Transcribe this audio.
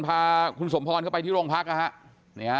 พาคุณสมพรเข้าไปที่โรงพักนะฮะ